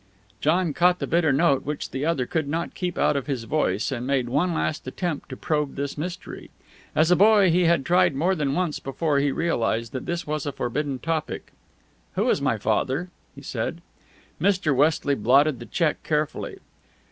John caught the bitter note which the other could not keep out of his voice, and made one last attempt to probe this mystery. As a boy he had tried more than once before he realized that this was a forbidden topic. "Who was my father?" he said. Mr. Westley blotted the check carefully.